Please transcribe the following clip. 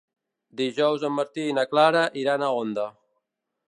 Dijous en Martí i na Clara iran a Onda.